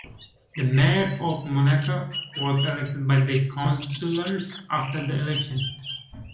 The Mayor of Monaco was elected by the councillors after the election.